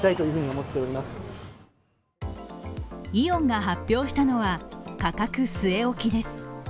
イオンが発表したのは価格据え置きです。